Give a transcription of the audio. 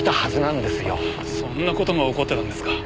そんな事が起こってたんですか。